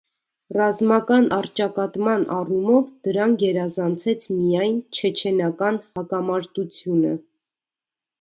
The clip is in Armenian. Ռազմական առճակատման առումով դրան գերազանցեց միայն չեչենական հակամարտությունը։